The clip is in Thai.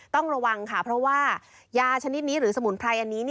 ต้องระวังค่ะเพราะว่ายาชนิดนี้หรือสมุนไพรอันนี้